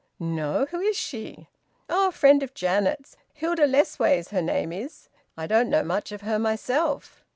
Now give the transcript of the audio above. "No. Who is she?" "Oh! Friend of Janet's. Hilda Lessways, her name is. I don't know much of her myself."